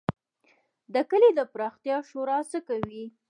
د کلي د پراختیا شورا څه کوي؟